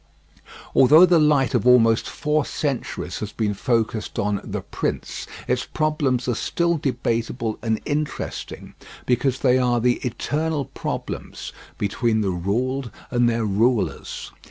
Although the light of almost four centuries has been focused on The Prince, its problems are still debatable and interesting, because they are the eternal problems between the ruled and their rulers.